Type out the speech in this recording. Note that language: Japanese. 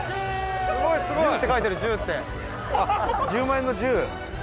１０万円の１０。